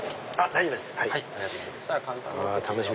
大丈夫です。